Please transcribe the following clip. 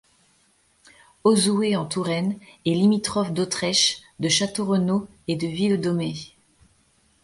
Auzouer-en-Touraine est limitrophe d'Autrèche, de Château-Renault et de Villedômer.